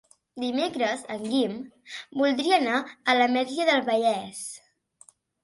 Dimecres en Guim voldria anar a l'Ametlla del Vallès.